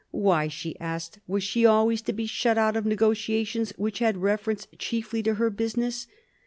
" Why," she asked, " was she always to be shut out of negotiations which had reference chiefly to her business